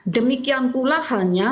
demikian pula halnya